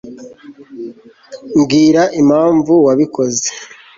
mbwira impamvu wabikoze